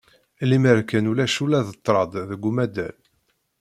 Lemmer kan ulac ula d ṭṭraḍ deg umaḍal.